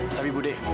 tapi bu deh